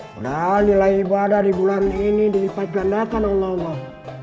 padahal nilai ibadah di bulan ini dilipat gandakan oleh allah